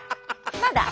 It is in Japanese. まだ？